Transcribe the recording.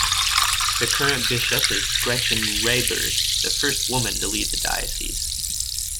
The current bishop is Gretchen Rehberg, the first woman to lead the Diocese.